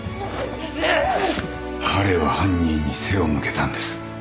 彼は犯人に背を向けたんです